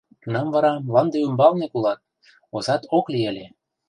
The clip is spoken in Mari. Тунам вара мланде ӱмбалне кулат, озат ок лий ыле.